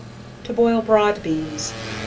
To boil broad Beans.